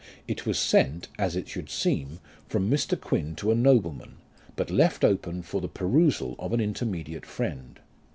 It was sent, as it should seem, from Mr. Q,uin to a nobleman, but left open for the perusal of an intermediate friend.